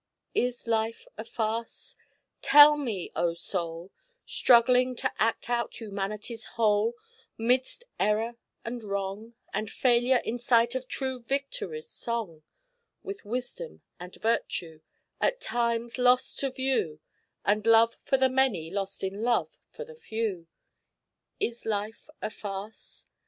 Is life a farce? Tell me, O soul, Struggling to act out humanity's whole 'Midst Error and Wrong, And failure in sight of true victory's song; With Wisdom and Virtue at times lost to view, And love for the many lost in love for the few Is life a farce?